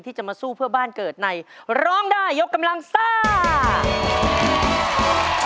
ที่จะมาสู้เพื่อบ้านเกิดในร้องได้ยกกำลังซ่า